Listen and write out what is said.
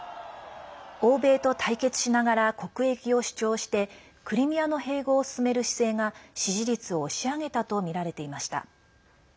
欧米と対決しながら国益を主張してクリミアの併合を進める姿勢が支持率を押し上げたとみられていました。